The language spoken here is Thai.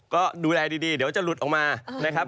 ก็ดูแลดีเดี๋ยวจะหลุดออกมานะครับ